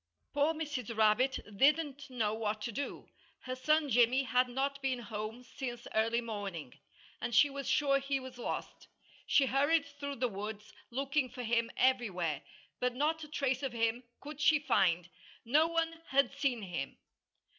Poor Mrs. Rabbit didn't know what to do. Her son Jimmy had not been home since early morning; and she was sure he was lost. She hurried through the woods, looking for him everywhere. But not a trace of him could she find. No one had seen him.